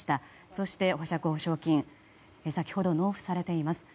そして、保釈保証金先ほど納付されています。